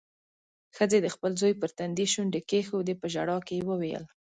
ښځې د خپل زوی پر تندي شونډې کېښودې. په ژړا کې يې وويل: